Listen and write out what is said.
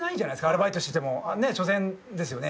アルバイトしててもしょせんですよね。